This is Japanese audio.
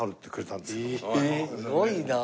すごいな！